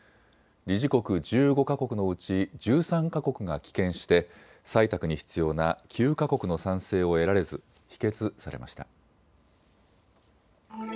理事国１５か国のうち１３か国が棄権して採択に必要な９か国の賛成を得られず否決されました。